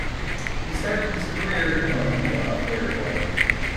He started his career in Olimpia of Paraguay.